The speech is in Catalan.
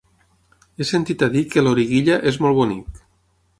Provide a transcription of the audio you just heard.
He sentit a dir que Loriguilla és molt bonic.